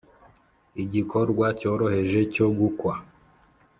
igikorwa cyoroheje cyo gukwa